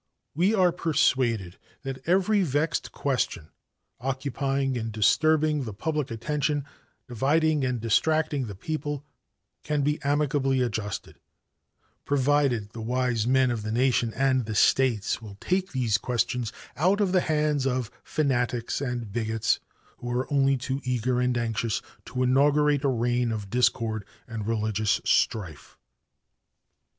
We are persuaded that every vexed question occupying and disturbing the public attention, dividing and distracting the people can be amicably adjusted, provided the wise men of the nation and the States will take these questions out of the hands of fanatics and bigots, who are only too eager and anxious to inaugurate a reign of discord and religious strife.